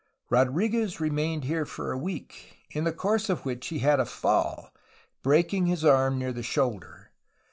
Rodriguez remained here for a week, in course of which he had a fall, breaking his arm near the shoulder.